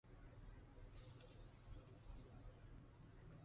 马英九任内也删除年终慰问金预算。